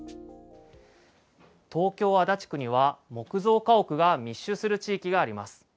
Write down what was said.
東京・足立区には、木造家屋が密集する地域があります。